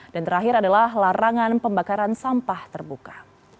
dan terakhir adalah larangan pembakaran sampah terbuka